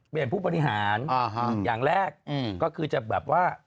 ผู้บริหารอย่างแรกก็คือจะแบบว่า